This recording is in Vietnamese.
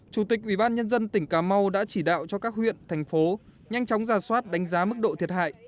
chủ tịch ubnd tỉnh cà mau đã chỉ đạo cho các huyện thành phố nhanh chóng ra soát đánh giá mức độ thiệt hại